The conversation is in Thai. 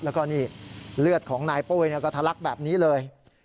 แล้วก็นี่เลือดของนายปุ้ยก็ทะลักแบบนี้เลย